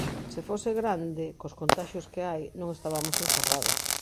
Se fose grande, cos contaxios que hai, non estabamos encerrados.